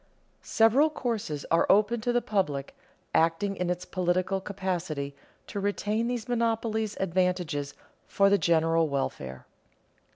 _Several courses are open to the public, acting in its political capacity, to retain these monopoly advantages for the general welfare.